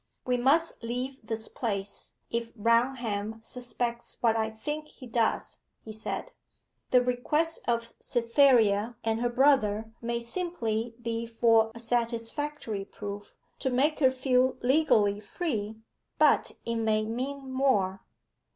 'We must leave this place if Raunham suspects what I think he does,' he said. 'The request of Cytherea and her brother may simply be for a satisfactory proof, to make her feel legally free but it may mean more.